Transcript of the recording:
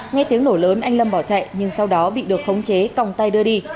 nghe tiếng nổ lớn anh lâm bỏ chạy nhưng sau đó bị được khống chế còng tay đưa đi